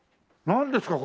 なんですか？